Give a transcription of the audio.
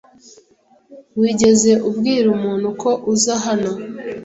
Wigeze ubwira umuntu ko uza hano?